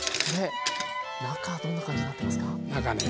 中はどんな感じになってますか？